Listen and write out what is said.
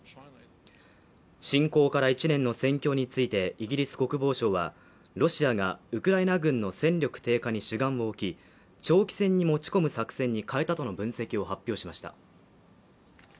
侵攻から１年の選挙について、イギリス国防省はロシアがウクライナ軍の戦力低下に主眼を置き、長期戦に持ち込む作戦に変えたとの分析を発表しました。